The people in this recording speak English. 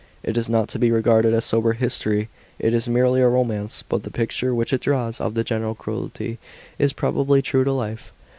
It is not to be regarded as sober history. It is merely a romance; but the picture which it draws of the general credulity, is probably true to life.